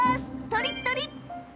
とりっとり！